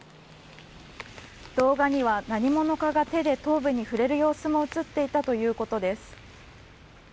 動画には、何者かが手で頭部に触れる様子も映っていたということです。